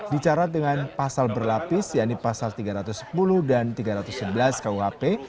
bicara dengan pasal berlapis yakni pasal tiga ratus sepuluh dan tiga ratus sebelas kuhp